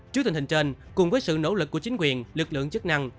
trước tình hình trên cùng với sự nỗ lực của chính quyền lực lượng chức năng